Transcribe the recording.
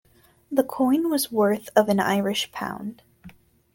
The coin was worth of an Irish pound.